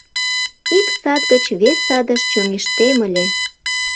Ик сад гыч вес садыш чоҥештем ыле.